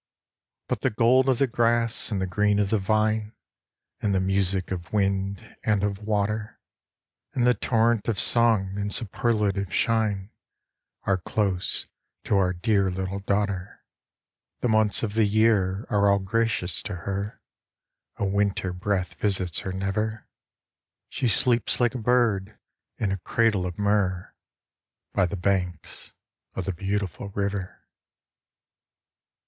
But the gold of the grass, and the green of the vine, And the music of wind and of water, And the torrent of song and superlative shine, Are close to our dear little daughter. The months of the year are all gracious to her, A winter breath visits her never; She sleeps like a bird in a cradle of myrrh, By the banks of the beautiful river.